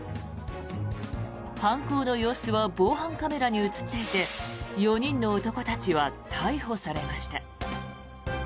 犯行の様子は防犯カメラに映っていて４人の男たちは逮捕されました。